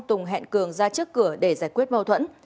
tùng hẹn cường ra trước cửa để giải quyết mâu thuẫn